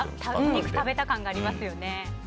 お肉を食べた感がありますよね。